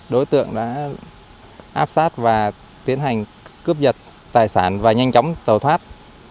đối tượng đã áp sát và tiến hành cướp giật tài sản và nhanh chóng tàu thoát